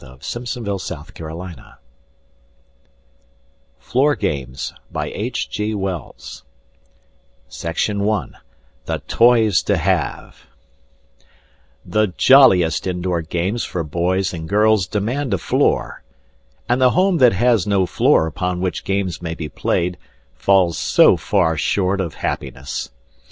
Funiculars, Marble Towers, Castles And War Games, But Very Little Of War Games Section I THE TOYS TO HAVE The jolliest indoor games for boys and girls demand a floor, and the home that has no floor upon which games may be played falls so far short of happiness.